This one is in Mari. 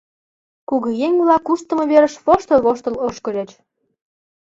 Кугыеҥ-влак куштымо верыш воштыл-воштыл ошкыльыч.